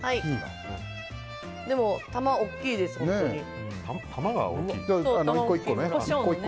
でも玉大きいです、本当に。